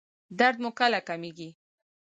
درد مو کله کمیږي؟